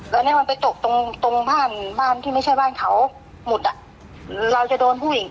แล้วเนี้ยมันไปตกตรงตรงบ้านบ้านที่ไม่ใช่บ้านเขาหมดอ่ะเราจะโดนผู้หญิง